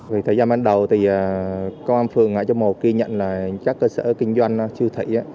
vì thời gian ban đầu thì công an phường trong mùa kia nhận là các cơ sở kinh doanh siêu thị